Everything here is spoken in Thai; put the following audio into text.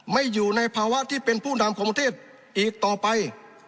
อยู่ในภาวะที่เป็นผู้นำของประเทศอีกต่อไป